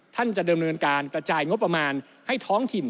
จะเดิมเนินการกระจายงบประมาณให้ท้องถิ่น